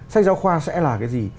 sách giáo khoa sẽ là cái gì